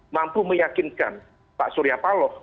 mampu meyakinkan pak surya paloh